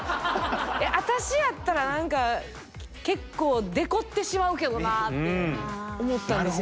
私やったら何か結構デコってしまうけどなと思ったんですよ。